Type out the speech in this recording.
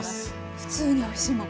「ふつうにおいしいもん」。